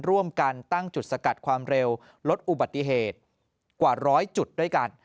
ร่วมกันตั้งจุดสกัดความเร็วลดอุบัติเหตุกว่าร้อยจุดด้วยกัน